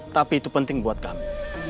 tapi itu penting buat kami